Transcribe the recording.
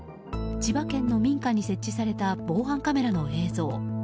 千葉県の民家に設置された防犯カメラの映像。